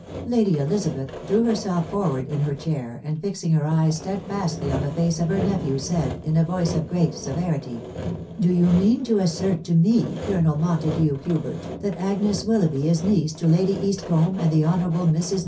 Lady Elizabeth drew herself forward in her chair, and fixing her eyes steadfastly on the face of her nephew, said, in a voice of great severity, " Do you mean to assert to me, Colonel Mon tagae Hubert, that Agnes WVQou^vb^ is niece to Lady East combe and the Honourable Mr&.'